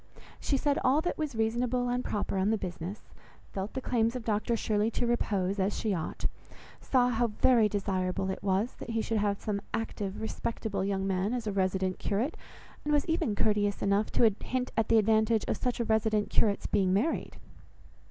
She said all that was reasonable and proper on the business; felt the claims of Dr Shirley to repose as she ought; saw how very desirable it was that he should have some active, respectable young man, as a resident curate, and was even courteous enough to hint at the advantage of such resident curate's being married.